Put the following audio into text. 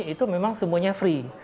itu memang semuanya free